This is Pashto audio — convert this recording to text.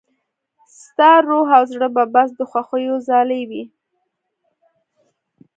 ستا روح او زړه به بس د خوښيو ځالې وي.